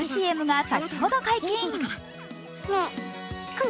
ＣＭが先ほど解禁。